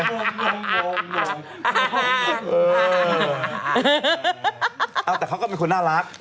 เอาแต่เขาก็เป็นคนน่ารัก